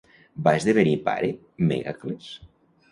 Va esdevenir pare Mègacles?